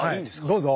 どうぞ。